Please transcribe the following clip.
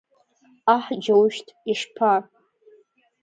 Ҟаҳ, џьоушьҭ, ишԥа?!